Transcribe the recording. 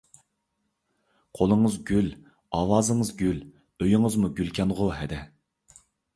قولىڭىز گۈل، ئاۋازىڭىز گۈل، ئۆيىڭىزمۇ گۈلكەنغۇ ھەدە.